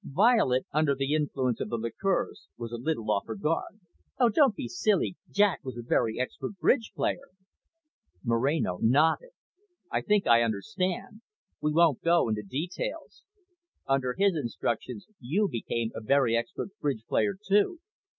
Violet, under the influence of the liqueurs, was a little off her guard. "Oh, don't be silly. Jack was a very expert bridge player." Moreno nodded. "I think I understand. We won't go into details. Under his instructions, you became a very expert bridge player too.